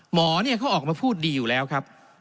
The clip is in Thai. หมอเขาออกมาพูดดีอยู่แล้วครับ